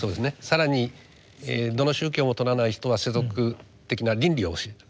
更にどの宗教もとらない人は世俗的な倫理を教える。